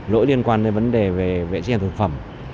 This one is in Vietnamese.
lỗi liên quan đến vấn đề về vệ sinh thực phẩm